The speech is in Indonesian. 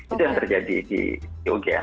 itu yang terjadi di ugya